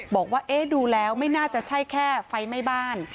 บอกว่าเอ๊ะดูแล้วไม่น่าจะใช่แค่ไฟไหม้บ้าน